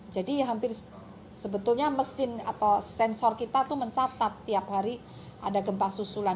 jadi sebetulnya mesin atau sensor kita mencatat tiap hari ada gempa susulan